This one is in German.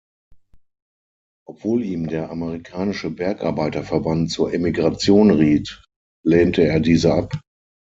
Obwohl ihm der amerikanische Bergarbeiterverband zur Emigration riet, lehnte er diese ab.